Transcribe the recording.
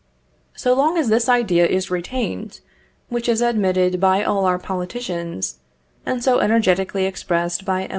So long as this idea is retained, which is admitted by all our politicians, and so energetically expressed by M.